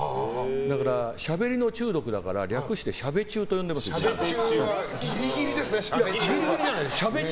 だから、しゃべりの中毒だから略してしゃべ中とギリギリですねしゃべ中。